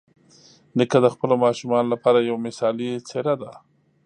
نیکه د خپلو ماشومانو لپاره یوه مثالي څېره ده.